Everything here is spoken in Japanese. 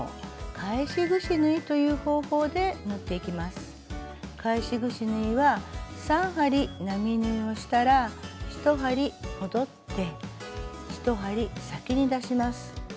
返しぐし縫いは３針並縫いをしたら１針戻って１針先に出します。